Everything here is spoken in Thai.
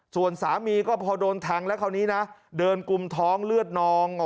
ส่วนสามีก็พอโดนแทงแล้วคราวนี้นะเดินกุมท้องเลือดนอง